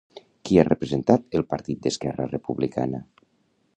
Qui ha representat el partit d'Esquerra Republicana?